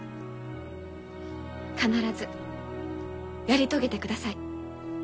必ずやり遂げてください。